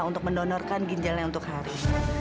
untuk mendonorkan ginjalnya untuk hari